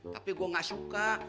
tapi gue gak suka